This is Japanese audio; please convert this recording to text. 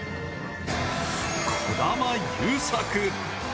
児玉悠作。